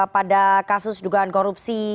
pada kasus dugaan korupsi